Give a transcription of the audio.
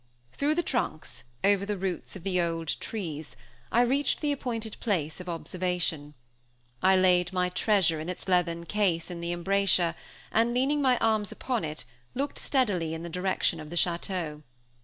Through the trunks, over the roots of the old trees, I reached the appointed place of observation. I laid my treasure in its leathern case in the embrasure, and leaning my arms upon it, looked steadily in the direction of the château.